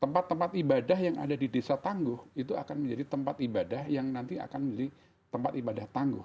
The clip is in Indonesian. tempat tempat ibadah yang ada di desa tangguh itu akan menjadi tempat ibadah yang nanti akan menjadi tempat ibadah tangguh